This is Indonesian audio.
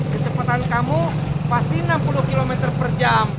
kecepatan kamu pasti enam puluh km per jam